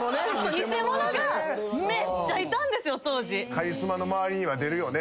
カリスマの周りには出るよね。